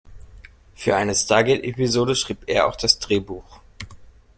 Für eine Stargate-Episode schrieb er auch das Drehbuch.